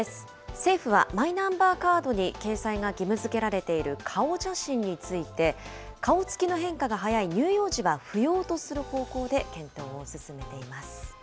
政府はマイナンバーカードに掲載が義務づけられている顔写真について、顔つきの変化が早い乳幼児は不要とする方向で検討を進めています。